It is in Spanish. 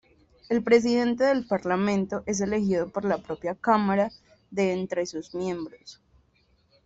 El presidente del Parlamento es elegido por la propia cámara de entre sus miembros.